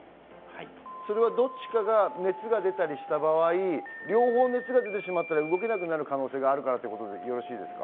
どっちかが熱が出たりした場合、両方熱が出てしまったら動けなくなる可能性があるからということでよろしいですか？